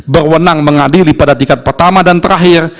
berwenang mengadili pada tingkat pertama dan terakhir